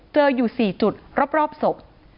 เจออยู่๔จุดรอบศพ